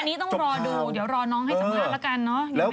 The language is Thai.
อันนี้ต้องรอดูเดี๋ยวรอน้องให้สมัครแล้วกัน